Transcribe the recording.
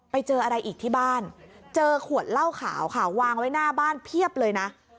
ไปเจออะไรอีกที่บ้านเจอขวดเหล้าขาวค่ะวางไว้หน้าบ้านเพียบเลยนะ